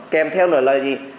kem theo là